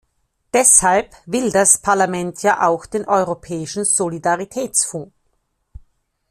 Deshalb will das Parlament ja auch den Europäischen Solidaritätsfonds.